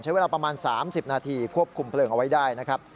ใช้เวลาประมาณ๓๐นาทีควบคุมเพลิงเอาไว้ได้นะครับ